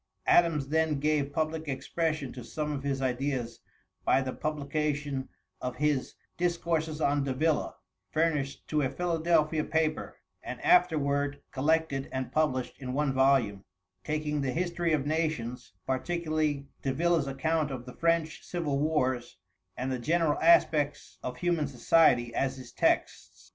Adams then gave public expression to some of his ideas by the publication of his 'Discourses on Davila,' furnished to a Philadelphia paper, and afterward collected and published in one volume, taking the history of nations, particularly Davila's account of the French civil wars, and the general aspects of human society as his texts.